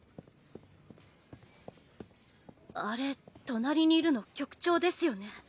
あれ隣にいるの局長ですよね？